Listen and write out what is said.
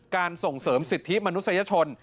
ส่งเสริมสิทธิมนุษยชน